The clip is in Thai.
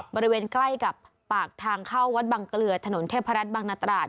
บริเวณใกล้กับปากทางเข้าวัดบังเกลือถนนเทพรัฐบางนาตราด